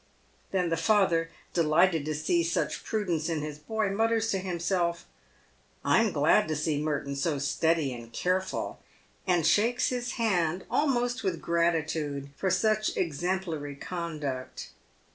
Then the father, delighted to see such prudence in his boy, mutters to himself, " I'm glad to see Merton so steady and careful," and shakes his hand almost with gratitude for such exemplary conduct.